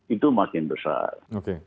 itu makin besar